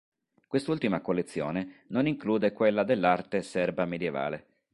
Quest'ultima collezione non include quella dell'arte serba medievale.